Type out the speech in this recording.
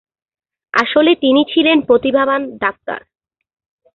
আসলে তিনি ছিলেন প্রতিভাবান ডাক্তার।